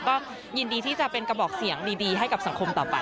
ก็ยินดีที่จะเป็นกระบอกเสียงดีให้กับสังคมต่อไป